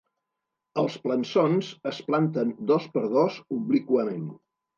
Els plançons es planten dos per dos obliquament.